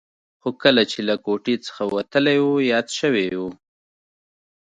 خو کله چې له کوټې څخه وتلی و یاد شوي یې و.